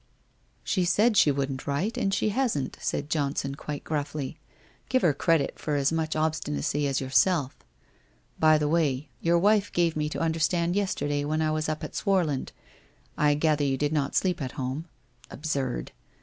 '* She said she wouldn't write, and she hasn't,' said Johnson quite gruffly. ' Give her credit for as much obstinacy as yourself. By the way, your wife gave me to understand yesterday when I was up at Swarland — I gather you did not sleep at home — absurd